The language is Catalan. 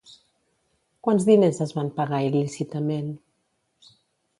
Quants diners es van pagar il·lícitament?